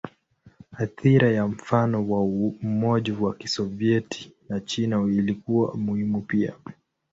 Athira ya mfano wa Umoja wa Kisovyeti na China ilikuwa muhimu pia.